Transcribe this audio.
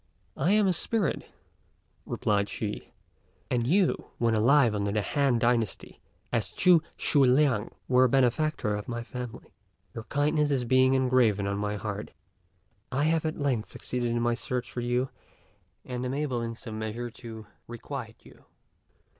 "I am a spirit," replied she; "and you, when alive under the Han dynasty as Ch'u Sui liang, were a benefactor of my family. Your kindness being engraven on my heart, I have at length succeeded in my search for you, and am able in some measure to requite you."